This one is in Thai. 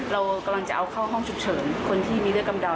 เรากำลังจะเอาเข้าห้องฉุกเฉินคนที่มีเลือดกำเดา